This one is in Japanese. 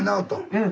うん。